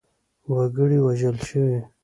وګړي وژل شوي.